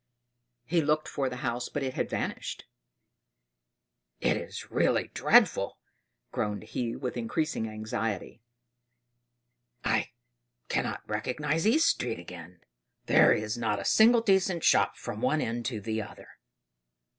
He looked for the house, but it had vanished. "It is really dreadful," groaned he with increasing anxiety; "I cannot recognise East Street again; there is not a single decent shop from one end to the other!